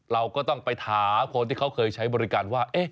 เราก็ต้องไปถามคนที่เขาเคยใช้บริการว่า